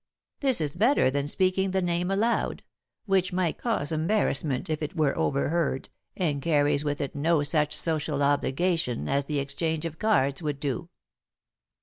This is better than speaking the name aloud, which might cause embarrassment if it were overheard, and carries with it no such social obligation as the exchange of cards would do.